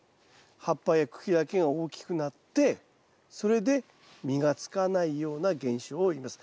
葉っぱや茎だけが大きくなってそれで実がつかないような現象をいいます。